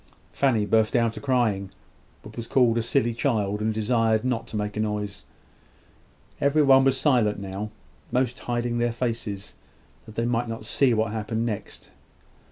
Fanny burst out a crying, but was called a silly child, and desired not to make a noise. Everyone was silent enough now; most hiding their faces, that they might not see what happened next.